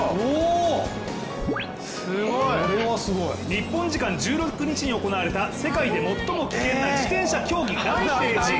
日本時間１６日に行われた世界で最も危険な自転車競技ランページ。